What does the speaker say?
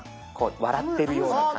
笑ってるような。